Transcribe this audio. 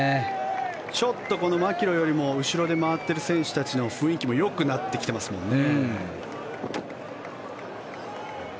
ちょっとマキロイよりも後ろで回っている選手たちの雰囲気もよくなってきていますもんね。